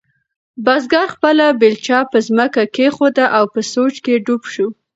بزګر خپله بیلچه په ځمکه کېښوده او په سوچ کې ډوب شو.